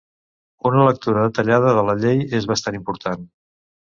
Una lectura detallada de la llei és bastant important.